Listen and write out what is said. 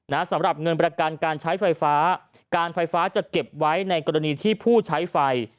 สำหรับเงินประกันการใช้ไฟฟ้าการไฟฟ้าจะเก็บไว้ในกรณีที่ผู้ใช้ไฟ